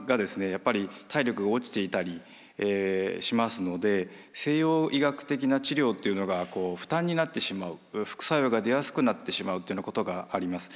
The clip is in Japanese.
やっぱり体力が落ちていたりしますので西洋医学的な治療というのが負担になってしまう副作用が出やすくなってしまうということがあります。